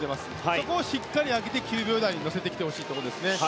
そこをしっかり上げて９秒台に乗せてきてほしいところです。